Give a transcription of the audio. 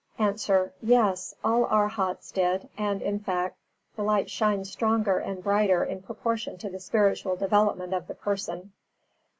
_ A. Yes, all Arhats did and, in fact, the light shines stronger and brighter in proportion to the spiritual development of the person.